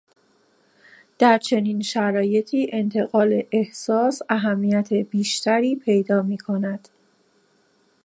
در چنین شرایطی انتقال احساس اهمیت بیشتری پیدا میکند.